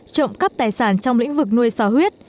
trộm cấp tài sản trong lĩnh vực nuôi sò huyết